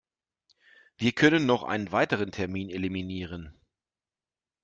Wir können noch einen weiteren Term eliminieren.